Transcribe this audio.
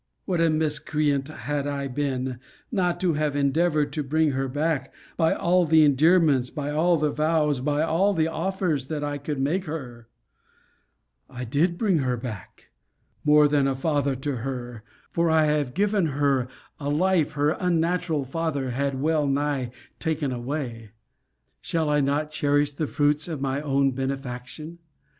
What a miscreant had I been, not to have endeavoured to bring her back, by all the endearments, by all the vows, by all the offers, that I could make her! I did bring her back. More than a father to her: for I have given her a life her unnatural father had well nigh taken away: Shall I not cherish the fruits of my own benefaction?